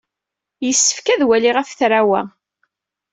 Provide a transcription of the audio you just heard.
Yessefk ad waliɣ afetraw-a.